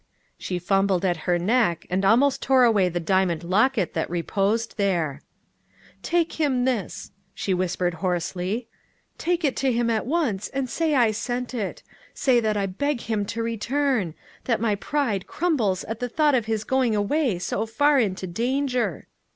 She fumbled at her neck, and almost tore away the diamond locket that reposed there. "Take him this," she whispered hoarsely. "Take it to him at once, and say I sent it. Say that I beg him to return that my pride crumbles at the thought of his going away so far into danger."